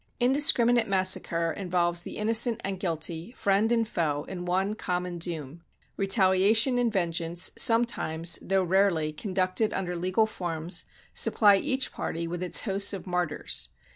Indiscriminate massacre involves the innocent and guilty, friend and foe, in one common doom. Retaliation and vengeance, sometimes, though rarely, conducted under legal forms, supply each party with its hosts of martyrs.